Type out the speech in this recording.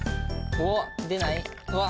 おっ出ない？